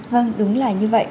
vâng đúng là như vậy